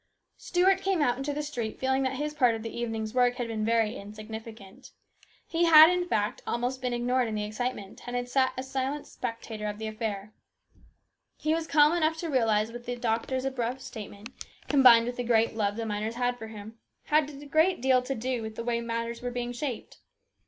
Stuart came out into the street feeling that his part of the evening's work had been very insignificant. He had, in fact, been almost ignored in the excite ment, and had sat a silent spectator of the affair. He was calm enough to realise that the doctor's abrupt statement, combined with the great love the miners had for him, had a great deal to do with the way matters were being shaped.